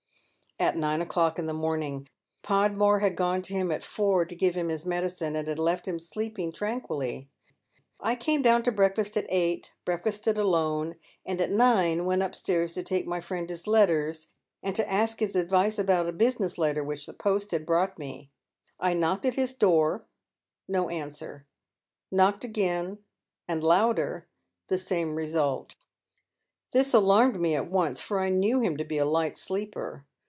"At nine o'clock in the morning. Podmore had gone to him at four to give him his medicine, and had left him sleeping tranquilly. I came down to breakfast at eight, breakfasted alone, and at nine went upstairs to take my friend his letters, and to ask his advice about a business letter which the post had brought me. I knocked at his door — no answer ; knocked again, and louder — the same result. This alarmed me at once, for I knew him to be a light sleeper.